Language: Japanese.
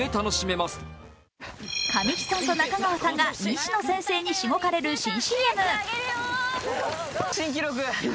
神木さんと中川さんが西野先生にしごかれる新ＣＭ。